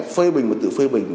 phê bình và tự phê bình